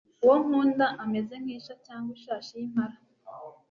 uwo nkunda ameze nk'isha cyangwa ishashi y'impara